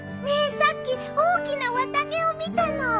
ねえさっき大きな綿毛を見たの。